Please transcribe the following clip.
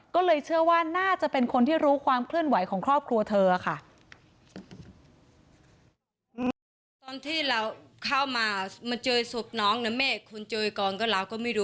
ก็เลยเชื่อว่าน่าจะเป็นคนที่รู้ความเคลื่อนไหวของครอบครัวเธอค่ะ